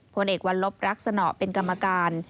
ผลเอกวัลลบรักษณะเป็นกรรมการ